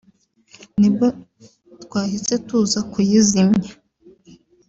nibwo twahise tuza kuyizimya